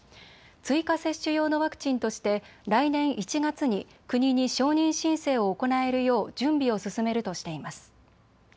追加接種用のワクチンとして来年１月に国に承認申請を行えるよう準備を進めるとしています。